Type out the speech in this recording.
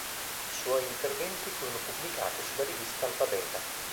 Suoi interventi furono pubblicati sulla rivista Alfabeta.